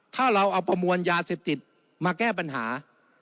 ถ้าเราเอาประมวลยาเสพติดมาแก้ปัญหา